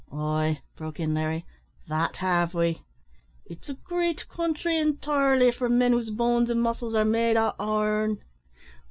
"Ay," broke in Larry, "that have we. It's a great country intirely for men whose bones and muscles are made o' iron.